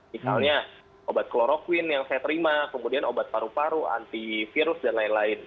misalnya obat kloroquine yang saya terima kemudian obat paru paru antivirus dan lain lain